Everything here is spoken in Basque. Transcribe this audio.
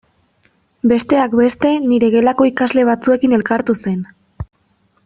Besteak beste nire gelako ikasle batzuekin elkartu zen.